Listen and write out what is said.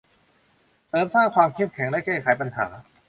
เสริมสร้างความเข้มแข็งและแก้ไขปัญหา